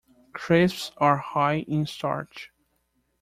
Crisps are high in starch.